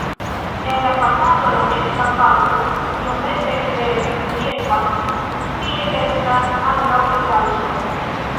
En la fasado la meza parto iomete reliefas, tie estas ankaŭ etaĝo.